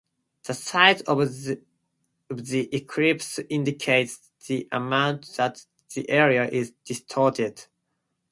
The size of the ellipse indicates the amount that the area is distorted.